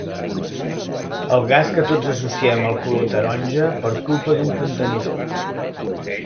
El gas que tots associem al color taronja per culpa d'un contenidor.